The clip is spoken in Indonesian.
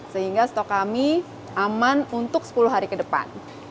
sehingga stok kami aman untuk sepuluh hari ke depan